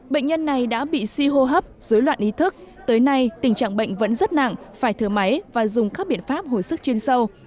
bệnh nhân này đã bị suy hô hấp dối loạn ý thức tới nay tình trạng bệnh vẫn rất nặng phải thở máy và dùng các biện pháp hồi sức chuyên sâu